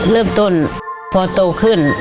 เริ่มต้นพอโตขึ้น